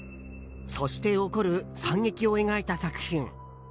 そして起こる惨劇を描いた作品。